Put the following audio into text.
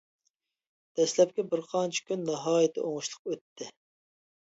دەسلەپكى بىر قانچە كۈن ناھايىتى ئوڭۇشلۇق ئۆتتى.